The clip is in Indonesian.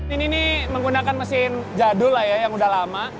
ini menggunakan mesin jadul yang sudah lama